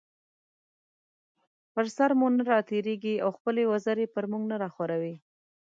پر سر مو نه راتېريږي او خپلې وزرې پر مونږ نه راخوروي